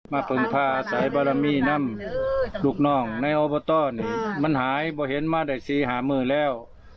มาพึงพาสายบารมีนำลูกน้องในมันหายไม่เห็นมาได้สิหามือแล้ว